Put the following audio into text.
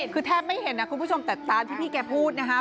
คือแทบไม่เห็นนะคุณผู้ชมแต่ตามที่พี่แกพูดนะคะ